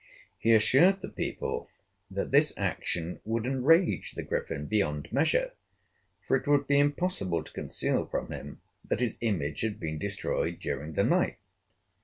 He assured the people that this action would enrage the Griffin beyond measure, for it would be impossible to conceal from him that his image had been destroyed during the night.